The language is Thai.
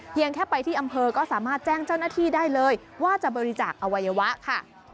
แค่ไปที่อำเภอก็สามารถแจ้งเจ้าหน้าที่ได้เลยว่าจะบริจาคอวัยวะค่ะ